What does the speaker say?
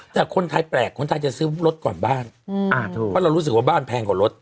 แต่คนไทยแปลกคนไทยจะซื้อรถก่อนบ้านเพราะเรารู้สึกว่าบ้านแพงกว่ารถ